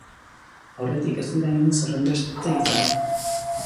Aurretik, ez dira inoiz horrenbeste izan.